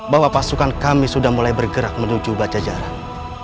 bahwa pasukan kami sudah mulai bergerak menuju bajajaran